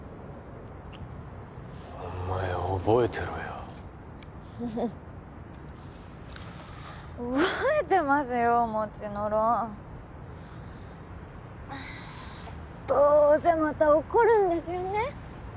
お前覚えてろよ覚えてますよもちのろんどうせまた怒るんですよね？